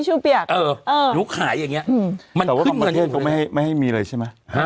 เธอใครจะคิดว่า